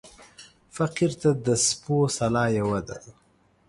فقير ته د سپو سلا يوه ده.